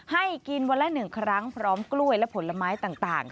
ให้กินวันละ๑ครั้งพร้อมกล้วยและผลไม้ต่าง